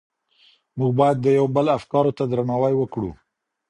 موږ بايد د يو بل افکارو ته درناوی وکړو.